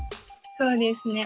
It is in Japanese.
そうですね。